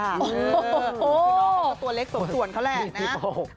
น้องก็ตัวเล็กส่วนเขาแหละนะ